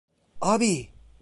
Abi!